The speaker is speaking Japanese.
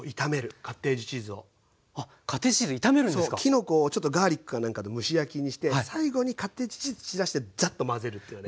きのこをガーリックかなんかで蒸し焼きにして最後にカッテージチーズ散らしてザッと混ぜるっていうね。